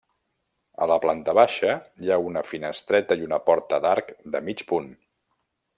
A la planta baixa hi ha una finestreta i una porta d'arc de mig punt.